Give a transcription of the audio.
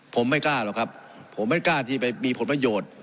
ผมไม่กล้าหรอกครับผมไม่กล้าที่ไปมีผลประโยชน์